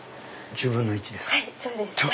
１０分の１ですか。